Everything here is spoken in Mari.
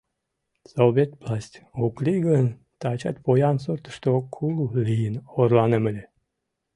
— Совет власть ок лий гын, тачат поян суртышто кул лийын орланем ыле.